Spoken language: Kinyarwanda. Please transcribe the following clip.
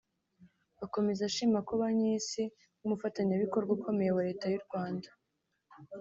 Akomeza ashima ko Banki y’Isi nk’umufatanyabikorwa ukomeye wa Leta y’u Rwanda